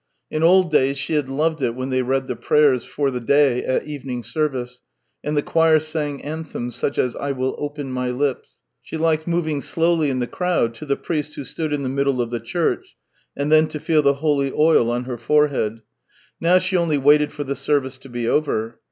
In old days she had loved it when they read the prayers for the day at evening service, and the choir sang anthems such as " I will open my lips." She liked moving slowly in the crowd to the priest who stood in the middle of the church, and then to feel the holy oil on her forehead; now she only waited for the service to be over.